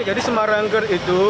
jadi semarangker itu